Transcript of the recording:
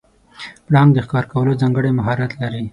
پړانګ د ښکار کولو ځانګړی مهارت لري.